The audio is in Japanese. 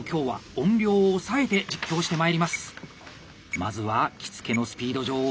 まずは「着付のスピード女王」